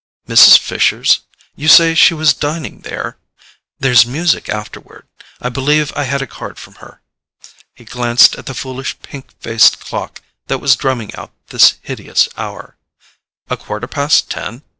"Mrs. Fisher's? You say she was dining there? There's music afterward; I believe I had a card from her." He glanced at the foolish pink faced clock that was drumming out this hideous hour. "A quarter past ten?